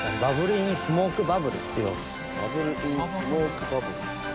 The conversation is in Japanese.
バブルインスモークバブル。